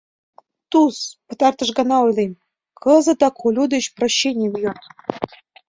— Туз, пытартыш гана ойлем: кызытак Олю деч прощенийым йод!